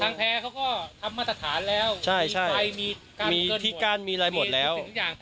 ทางแพ้เค้าก็ทำมาตรฐานแล้วมีไฟมีกั้นมีอะไรหมดแล้ว